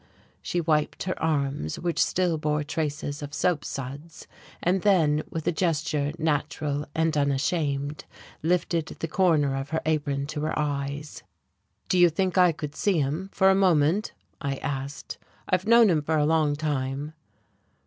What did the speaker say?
She wiped her arms, which still bore traces of soap suds, and then, with a gesture natural and unashamed, lifted the corner of her apron to her eyes. "Do you think I could see him for a moment?" I asked. "I've known him for a long time."